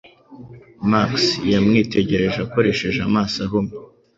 Max yamwitegereje akoresheje amaso ahumye